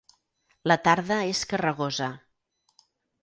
La tarda és carregosa.